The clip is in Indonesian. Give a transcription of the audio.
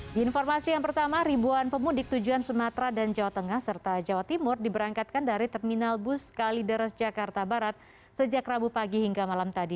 di informasi yang pertama ribuan pemudik tujuan sumatera dan jawa tengah serta jawa timur diberangkatkan dari terminal bus kalideres jakarta barat sejak rabu pagi hingga malam tadi